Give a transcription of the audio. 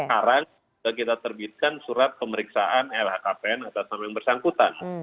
sekarang sudah kita terbitkan surat pemeriksaan lhkpn atas nama yang bersangkutan